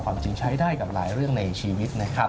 ความจริงใช้ได้กับหลายเรื่องในชีวิต